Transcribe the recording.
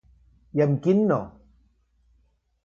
I amb quin no?